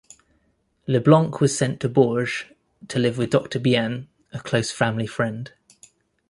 Leblanc was sent to Bourges to live with Doctor Bien, a close family friend.